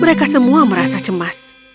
mereka semua merasa cemas